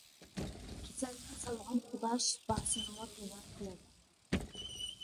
كېسەلنى سالغان خۇدا شىپاسىنىمۇ تەييار قىلىدۇ.